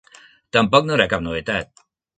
Tampoc no era cap novetat.